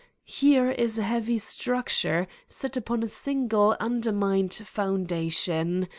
Here is a heavy structure, set upon a single, undermined foundation.